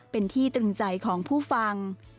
เป็นที่ตรึงใจของผู้ฟัง